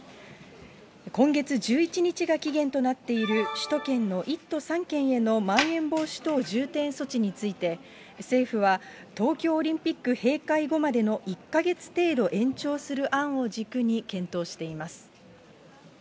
今月１１日が期限となっている首都圏の１都３県へのまん延防止等重点措置について、政府は東京オリンピック閉会後までの１か月程度延長する案を軸に検討しています。